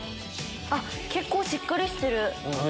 結構しっかりしてる。